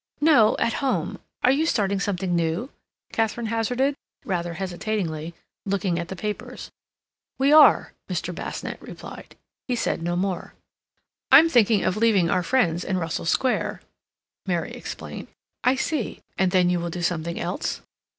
"No, at home. Are you starting something new?" Katharine hazarded, rather hesitatingly, looking at the papers. "We are," Mr. Basnett replied. He said no more. "I'm thinking of leaving our friends in Russell Square," Mary explained. "I see. And then you will do something else."